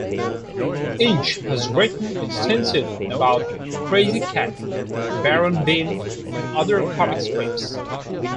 Inge has written extensively about "Krazy Kat", "Baron Bean" and other comic strips.